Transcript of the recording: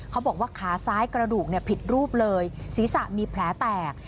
เขาบอกว่าขาซ้ายกระดูกผิดรูปเลยศีรษะมีแผลแตก